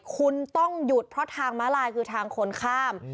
คุณต้องหยุดเพราะทางม้าลายคือทางคนข้าม